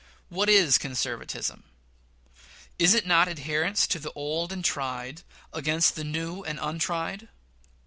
What is conservatism? Is it not adherence to the old and tried, against a new and untried?